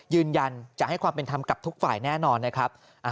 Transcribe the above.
ยืนยันจะให้ความเป็นธรรมกับทุกฝ่ายแน่นอนนะครับ